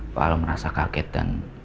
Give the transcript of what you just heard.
pak al merasa kaget dan